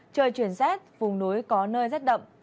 trời chuyển rét vùng núi có nơi rét đậm